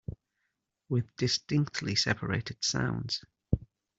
With distinctly separated sounds.